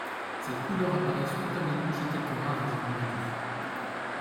Cette couleur apparaît spontanément chez quelques rares individus.